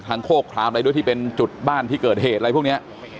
โคกครามอะไรด้วยที่เป็นจุดบ้านที่เกิดเหตุอะไรพวกนี้